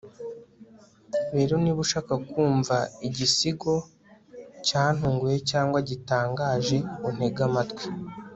rero niba ushaka kumva igisigo cyantunguye cyangwa gitangaje untege amatwi